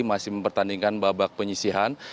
masih mempertandingkan babak penyisihan